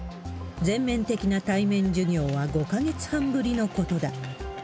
全面的な対面授業は５か月半ぶりのことだ。